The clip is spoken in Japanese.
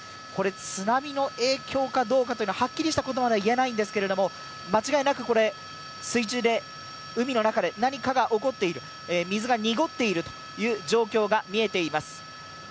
これ、津波の影響かどうかはっきりしたことまでは言えないんですけども、間違いなくこれ、水中、海の中で何かが起こっている、水が濁っているという状況が見えています。